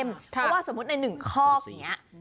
เพราะว่าสมมุติในหนึ่งคอบนี้